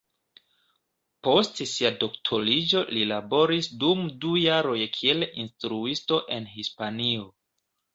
Post sia doktoriĝo li laboris dum du jaroj kiel instruisto en Hispanio.